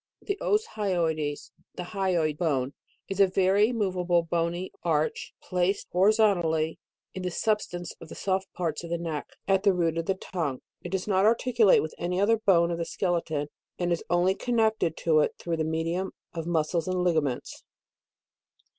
The Os hyoides, the hyoid bone, is a very moveable bony arch placed . horizontally, in the substance of the soft parts of the neck, at the root of the tongue. It does not articu late with any other bone of the skeleton, and is only connected to it through the medium of muscles and ligaments.